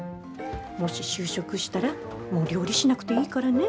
もし就職したらもう料理しなくていいからね。